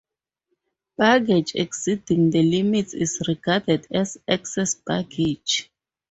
Baggage exceeding the limits is regarded as "excess baggage".